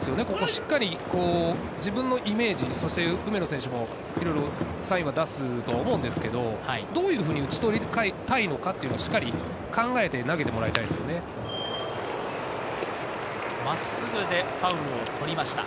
しっかり自分のイメージ、梅野選手もいろいろサインを出すと思うんですけれど、どういうふうに打ち取りたいのかというのをしっかり考えて投げて真っすぐでファウルを取りました。